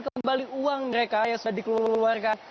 kembali uang mereka yang sudah dikeluarkan